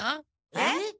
えっ？